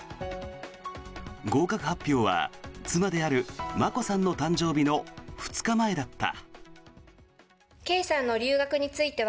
合格発表は妻である眞子さんの誕生日の２日前だった。